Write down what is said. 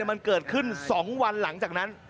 มันเกิดขึ้น๒วันหลังจากนั้น